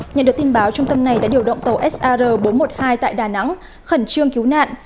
nhận được tin báo trung tâm này đã điều động tàu sr bốn trăm một mươi hai tại đà nẵng khẩn trương cứu nạn